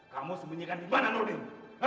kamu sembunyikan iman anudin